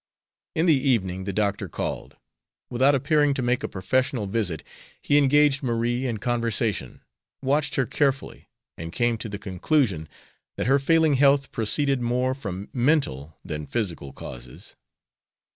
In the evening the doctor called. Without appearing to make a professional visit he engaged Marie in conversation, watched her carefully, and came to the conclusion that her failing health proceeded more from mental than physical causes.